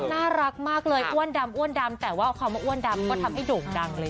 น่ารักมากเลยอ้วนดำอ้วนดำแต่ว่าคำว่าอ้วนดำก็ทำให้โด่งดังเลย